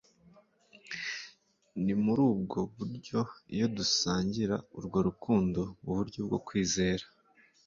ni muri ubwo btuyo iyo dusangira urwo rukundo mu buryo bwo kwizera,